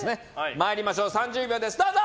参りましょう、３０秒、どうぞ！